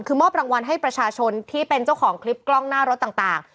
คือมอบรางวัลให้ประชาชนที่เป็นเจ้าของคลิปกล้องหน้ารถต่าง